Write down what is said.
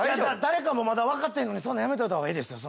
誰かもまだわかってへんのにそんなやめといた方がいいですよ。